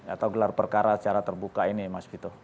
atau gelar perkara secara terbuka ini mas vito